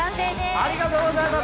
ありがとうございます。